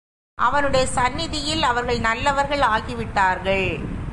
அவனுடைய சந்நிதியில் அவர்கள் நல்லவர்கள் ஆகிவிட்டார்கள்.